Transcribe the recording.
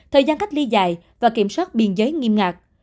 thời gian cách ly dài và kiểm soát biên giới nghiêm ngặt